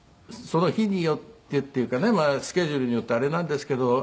その日によってっていうかねスケジュールによってあれなんですけど。